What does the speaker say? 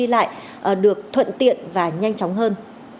đi lại được thuận tiện và nhanh chóng hơn